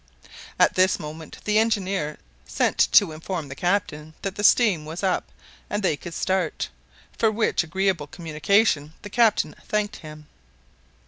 At this moment the engineer sent to inform the captain that steam was up and they could start, for which agreeable communication the captain thanked him.